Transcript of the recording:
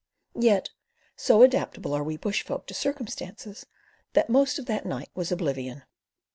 Yet so adaptable are we bush folk to circumstances that most of that night was oblivion.